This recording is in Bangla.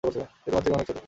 সে তোমার থেকে অনেক ছোট।